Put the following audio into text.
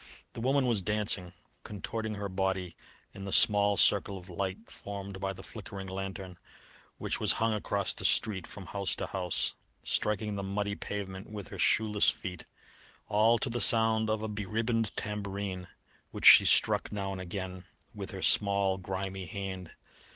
The woman was dancing, contorting her body in the small circle of light formed by a flickering lanthorn which was hung across the street from house to house, striking the muddy pavement with her shoeless feet, all to the sound of a be ribboned tambourine which she struck now and again with her small, grimy hand.